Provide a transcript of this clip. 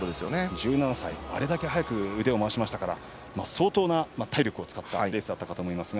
１７歳、あれだけ速く腕を回しましたから相当な体力を使ったレースだったかと思いますが。